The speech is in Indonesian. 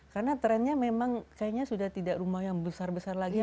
karena trennya memang kayaknya sudah tidak rumah yang besar besar lagi